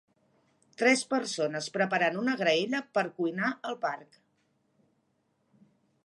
Tres persones preparant una graella per cuinar al parc.